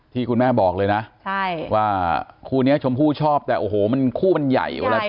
ที่คุณแม่บอกเลยนะว่าคู่นี้ชมพู่ชอบแต่โอ้โหมันคู่มันใหญ่เวลา